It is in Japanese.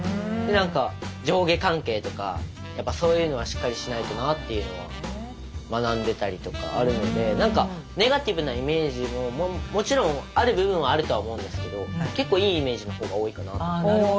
上下関係とかやっぱそういうのはしっかりしないとなっていうのは学んでたりとかあるので何かネガティブなイメージももちろんある部分はあるとは思うんですけど結構いいイメージの方が多いかなと思います。